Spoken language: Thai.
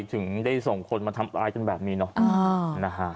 ถึงได้ส่งคนมาทำร้ายกันแบบนี้เนาะ